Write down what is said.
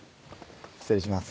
失礼します